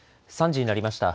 ３時になりました。